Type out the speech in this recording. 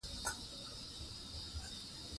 ازادي راډیو د کرهنه په اړه د هر اړخیز پوښښ ژمنه کړې.